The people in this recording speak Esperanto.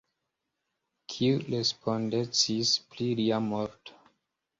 Kiu respondecis pri lia morto?